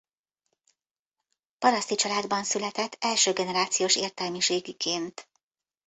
Paraszti családban született első generációs értelmiségiként.